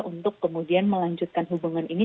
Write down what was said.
untuk kemudian melanjutkan hubungan ini